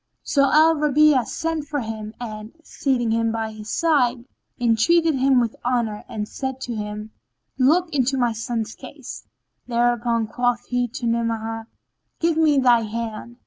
So Al Rabi'a sent for him and, seating him by his side, entreated him with honour and said to him, "Look into my son's case." Thereupon quoth he to Ni'amah, "Give me thy hand."